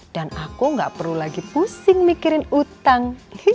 dan aku gak perlu lagi pusing mikirin utang